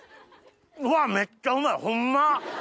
めっちゃうまいホンマ！